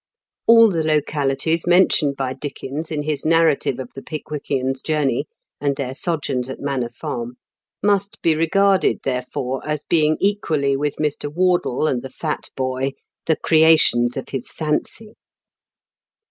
All the localities mentioned by Dickens in his narrative of the Pickwickians' journey and their sojourns at Manor Farm must be regarded, therefore, as being equally with Mr. Wardle and the fat boy the creations of his fancy.